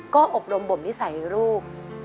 ก็อบรมบ่มนิสัยลูก